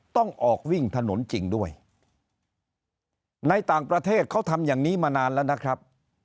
ต้องออกวิ่งถนนจริงด้วยในต่างประเทศเขาทำอย่างนี้มานานแล้วนะครับ